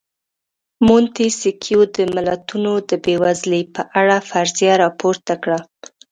مونتیسکیو د ملتونو د بېوزلۍ په اړه فرضیه راپورته کړه.